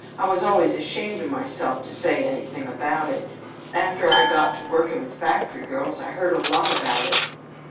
I was always ashamed of myself to say anything about it. After I got to working with factory girls I heard a lot about it.''